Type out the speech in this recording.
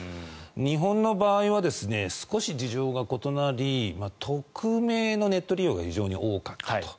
日本の場合は少し事情が異なり匿名のネット利用が非常に多かったと。